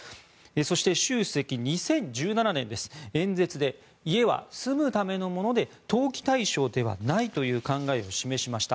そして、習主席は２０１７年、演説で家は住むためのもので投機対象ではないという考えを示しました。